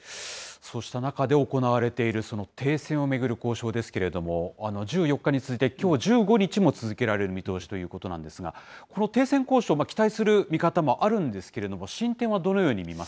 そうした中で行われている停戦を巡る交渉ですけれども、１４日に続いてきょう１５日も続けられる見通しということなんですが、この停戦交渉、期待する見方もあるんですけれども、進展はどのよ